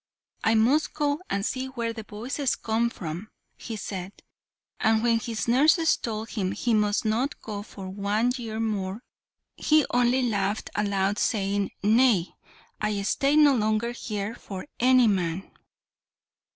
"I must go and see where the voices come from!" he said; and when his nurses told him he must not go for one year more, he only laughed aloud, saying, "Nay! I stay no longer here for any man!"